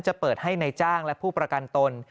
จะเปิดให้ในจ้างและผู้ประกันตน